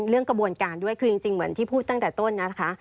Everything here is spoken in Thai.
กระบวนการด้วยคือจริงเหมือนที่พูดตั้งแต่ต้นนะคะ